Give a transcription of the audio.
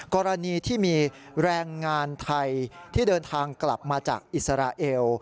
กรณีที่มีแรงงานไทยที่เดินทางกลับมาจากอิสราเอล